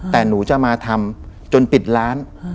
แต่หนูจะมาทำจนปิดร้าน